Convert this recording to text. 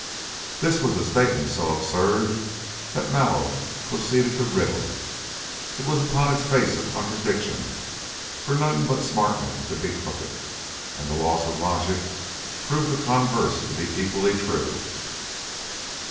This was a statement so absurd that Mallow proceeded to riddle it. It was, upon its face, a contradiction, for none but smart men could be crooked, and the laws of logic proved the converse to be equally true.